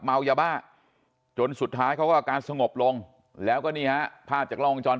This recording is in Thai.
เมายาบ้าจนสุดท้ายเขาก็อาการสงบลงแล้วก็นี่ฮะภาพจากล้องวงจร